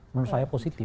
menurut saya positif